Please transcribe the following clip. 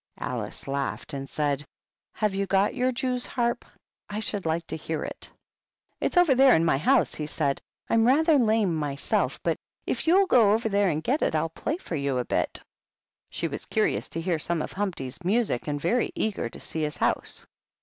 Alice laughed, and said, "Have you got your jewsharp? I should like to hear it." " It's over there in my house," he said. " I'm 98 HUMPTY DUMPTY. rather lame myself, but if you'll go over there and get it, I'll play for you a bit." She was curious to hear some of Humpty's music, and very eager to see his house.